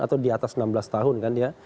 atau di atas enam belas tahun kan ya